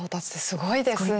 すごいですよね。